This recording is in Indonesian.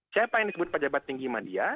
siapa yang disebut pejabat tinggi media